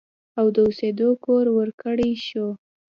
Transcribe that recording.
او د اوسېدو کور ورکړی شو